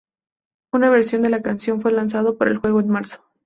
Una versión de la canción fue lanzado para el juego en marzo.